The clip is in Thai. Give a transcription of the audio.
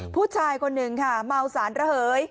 ผู้ชายคนหนึ่งค่ะเมาสารระเหย